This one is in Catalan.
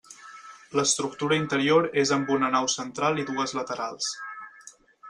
L'estructura interior és amb una nau central i dues laterals.